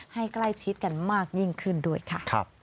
ให้ใกล้ชิดกันมากยิ่งขึ้นด้วยค่ะ